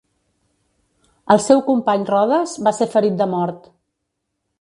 El seu company Rodes va ser ferit de mort.